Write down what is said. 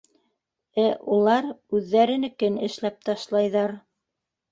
Э улар үҙҙәренекен эшләп ташлайҙар.